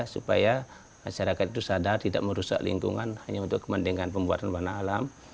supaya masyarakat itu sadar tidak merusak lingkungan hanya untuk kepentingan pembuatan warna alam